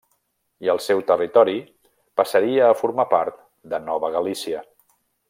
I el seu territori passaria a formar part de Nova Galícia.